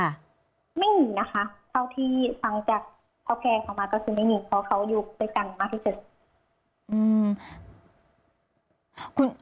ไม่มีนะคะเท่าที่ฟังจากพ่อแม่เขามาก็คือไม่มีเพราะเขาอยู่ด้วยกันมากที่สุด